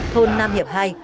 thôn nam hiệp hai